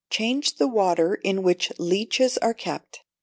Change the Water in which Leeches are Kept.